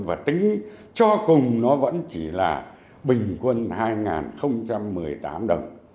và tính cho cùng nó vẫn chỉ là bình quân hai một mươi tám đồng